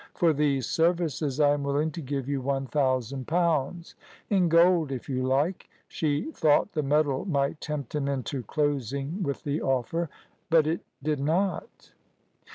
For these services I am willing to give you one thousand pounds in gold, if you like"; she thought the metal might tempt him into closing with the offer, but it did not.